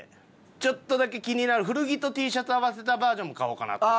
ちょっとだけ気になる古着とＴシャツ合わせたバージョンも買おうかなと思って。